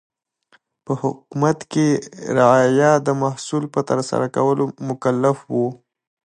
په حکومت کې رعایا د محصول په ترسره کولو مکلف و.